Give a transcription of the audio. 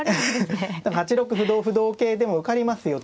８六歩同歩同桂でも受かりますよと。